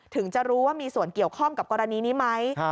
ถึงจะรู้ว่ามีส่วนเกี่ยวข้องกับกรณีนี้ไหม